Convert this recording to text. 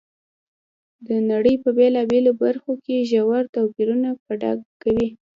د نړۍ په بېلابېلو برخو کې ژور توپیرونه په ډاګه کوي.